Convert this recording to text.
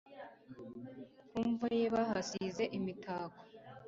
Ku mva ye bahasize imitako